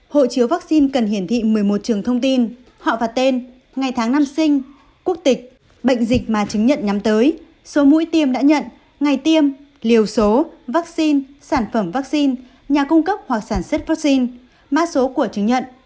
hộ chiếu vaccine cần hiển thị một mươi một trường thông tin họ và tên ngày tháng năm sinh quốc tịch bệnh dịch mà chứng nhận nhắm tới số mũi tiêm đã nhận ngày tiêm liều số vaccine sản phẩm vaccine nhà cung cấp hoặc sản xuất vaccine mã số của chứng nhận